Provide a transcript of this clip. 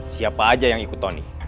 siapa aja yang ikut tony